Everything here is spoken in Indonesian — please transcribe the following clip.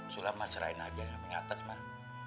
soalnya mas raina aja yang mengatas mak